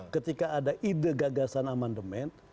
ketika ada ide gagasan amandemen